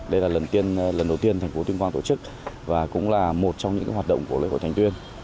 đây là lần đầu tiên thành phố tuyên quang tổ chức và cũng là một trong những hoạt động của lễ hội thành tuyên